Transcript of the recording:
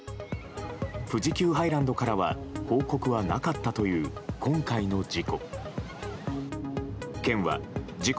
富士急ハイランドからは報告はなかったという今回の事故。